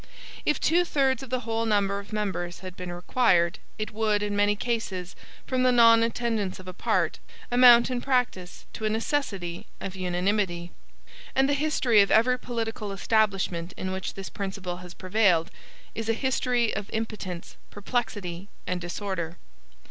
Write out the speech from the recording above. If two thirds of the whole number of members had been required, it would, in many cases, from the non attendance of a part, amount in practice to a necessity of unanimity. And the history of every political establishment in which this principle has prevailed, is a history of impotence, perplexity, and disorder.